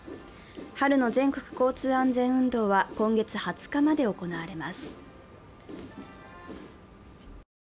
春の全国交通安全運動は今月２０日まで行われます。